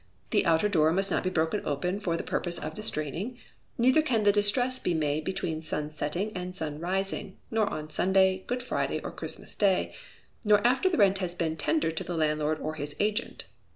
The outer door must not be broken open for the purpose of distraining, neither can the distress be made between sun setting and sun rising, nor on Sunday, Good Friday, or Christmas day; nor after the rent has been tendered to the landlord or his agent.